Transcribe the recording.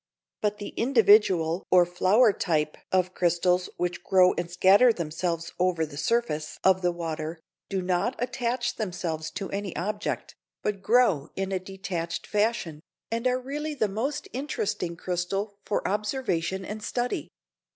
But the individual or flower type of crystals which grow and scatter themselves over the surface of the water, do not attach themselves to any object, but grow in a detached fashion, and are really the most interesting crystal for observation and study.